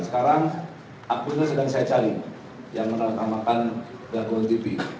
sekarang akunnya sedang saya cari yang menerangkan dago tv